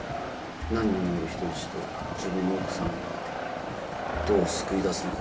何人もいる人質と自分の奥さんをどう救い出すのか。